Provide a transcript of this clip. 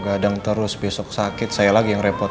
kadang terus besok sakit saya lagi yang repot